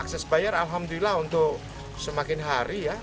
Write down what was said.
akses bayar alhamdulillah untuk semakin hari ya